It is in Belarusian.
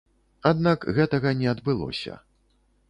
Аднак, гэтага не адбылося.